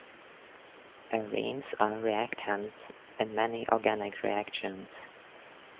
Arenes are reactants in many organic reactions.